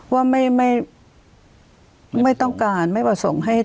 ว่าไม่ต้องการไม่ประสงค์ให้